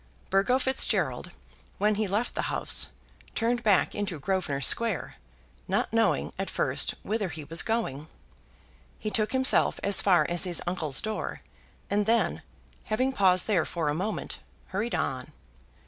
Burgo Fitzgerald, when he left the house, turned back into Grosvenor Square, not knowing, at first, whither he was going. He took himself as far as his uncle's door, and then, having paused there for a moment, hurried on.